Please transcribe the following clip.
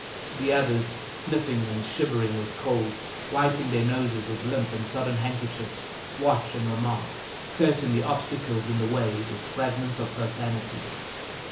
The others, sniffing and shivering with cold, wiping their noses with limp and sodden handkerchiefs, watch and remark, cursing the obstacles in the way with fragments of profanity.